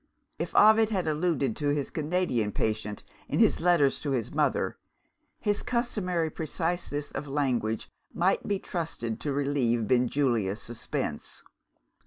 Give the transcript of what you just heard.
If Ovid had alluded to his Canadian patient in his letters to his mother, his customary preciseness of language might be trusted to relieve Benjulia's suspense.